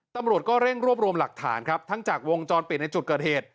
ตำรวจก็เร่งรวบรวมหลักฐานครับทั้งจากวงจรปิดในจุดเกิดเหตุ